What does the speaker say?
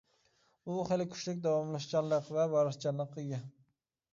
ئۇ خېلى كۈچلۈك داۋاملىشىشچانلىق ۋە ۋارىسچانلىققا ئىگە.